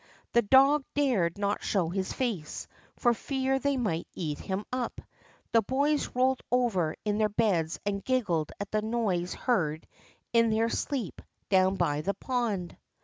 The dog dared not show his face, for fear they might eat him up. The boys rolled over in their beds and giggled at the noise heard in their sleep, down by the pond.